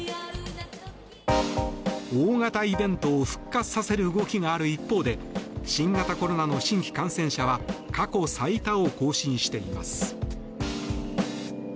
大型イベントを復活させる動きがある一方で新型コロナの新規感染者は過去最多を更新しています。